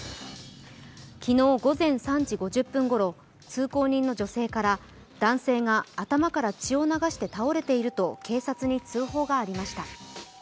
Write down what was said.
昨日午前５時５０分ごろ、通行人の女性から男性が頭から血を流して倒れていると警察に通報がありました。